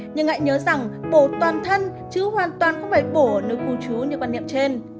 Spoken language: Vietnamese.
nhưng lại nhớ rằng bổ toàn thân chứ hoàn toàn không phải bổ ở nơi cư trú như quan niệm trên